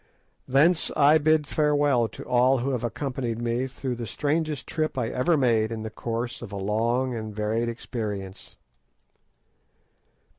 Thence I bid farewell to all who have accompanied me through the strangest trip I ever made in the course of a long and varied experience.